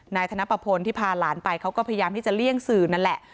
ธนปะพลที่พาหลานไปเขาก็พยายามที่จะเลี่ยงสื่อนั่นแหละ